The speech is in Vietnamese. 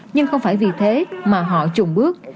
nhưng không phải vì thế mà họ trùng bước